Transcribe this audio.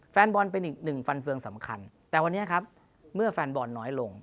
แฟนบอลเป็นอีกหนึ่งฟันเฟืองสำคัญแต่วันนี้ครับเมื่อแฟนบอลน้อยลง